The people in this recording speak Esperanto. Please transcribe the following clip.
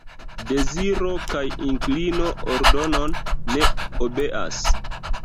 Deziro kaj inklino ordonon ne obeas.